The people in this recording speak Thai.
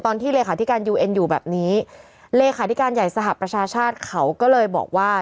เลขาธิการยูเอ็นอยู่แบบนี้เลขาธิการใหญ่สหประชาชาติเขาก็เลยบอกว่า